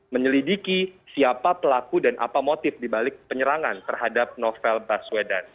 menyelidiki siapa pelaku dan apa motif dibalik penyerangan terhadap novel baswedan